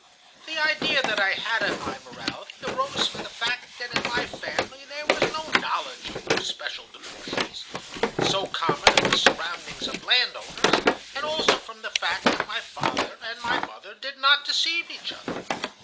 "The idea that I had of my morality arose from the fact that in my family there was no knowledge of those special debaucheries, so common in the surroundings of land owners, and also from the fact that my father and my mother did not deceive each other.